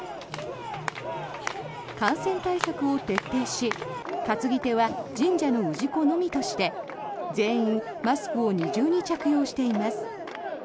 感染対策を徹底し担ぎ手は神社の氏子のみとして、全員マスクを二重に着用しています。